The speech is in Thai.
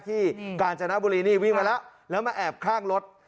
กาญจนบุรีนี่วิ่งมาแล้วแล้วมาแอบข้างรถ